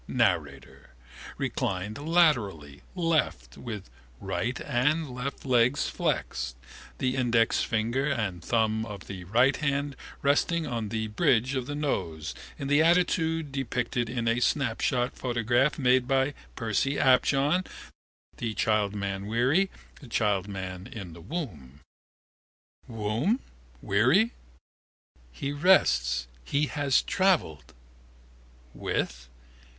Narrator: reclined laterally, left, with right and left legs flexed, the index finger and thumb of the right hand resting on the bridge of the nose, in the attitude depicted in a snapshot photograph made by Percy Apjohn, the childman weary, the manchild in the womb. Womb? Weary? He rests. He has travelled. With?